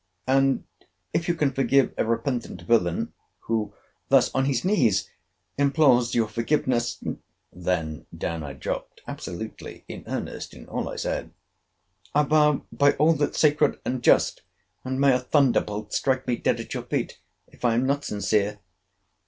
And if you can forgive a repentant villain, who thus on his knees implores your forgiveness, [then down I dropt, absolutely in earnest in all I said,] I vow by all that's sacred and just, (and may a thunderbolt strike me dead at your feet, if I am not sincere!)